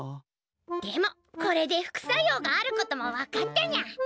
でもこれで副作用があることも分かったにゃ。